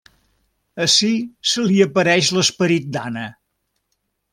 Ací se li apareix l'esperit d'Anna.